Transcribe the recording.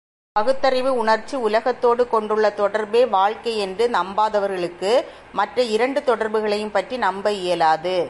பகுத்தறிவு உணர்ச்சி உலகத்தோடு கொண்டுள்ள தொடர்பே வாழ்க்கை என்று நம்பாதவர்களுக்கு, மற்ற இரண்டு தொடர்புகளையும் பற்றி நம்ப இயலாது.